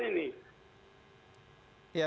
terima kasih pak